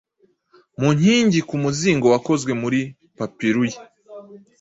mu nkingi ku muzingo wakozwe muri papirui,